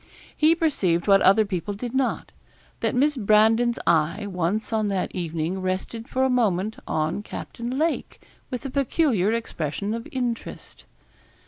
He perceived what other people did not, that Miss Brandon's eye once on that evening rested for a moment on Captain Lake with a peculiar expression of interest.